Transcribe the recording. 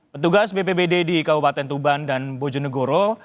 petugas bpbd di kabupaten tuban dan bojonegoro